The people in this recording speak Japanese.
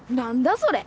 それ。